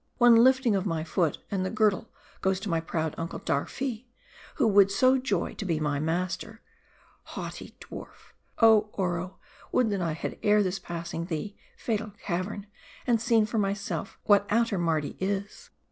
One lifting of my foot, and the girdle goes to my proud uncle Darfi, who would so joy to be my master. Haughty Darn ! Oh Oro I would' that I had ere this passed thee, fatal cavern ; and seen for myself, what outer Mardi is.